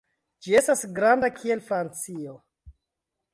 Ĝi estas granda kiel Francio.